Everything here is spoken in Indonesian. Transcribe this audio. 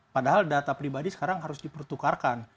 padahal data pribadi sekarang harus dipertukarkan